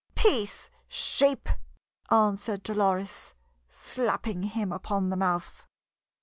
"Peace, sheep!" answered Dolores, slapping him upon the mouth.